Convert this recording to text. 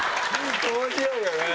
面白いよね。